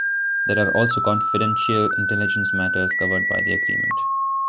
There are also confidential intelligence matters covered by the agreement.